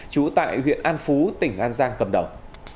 trú tại huyện an phú tỉnh an giang cầm đầu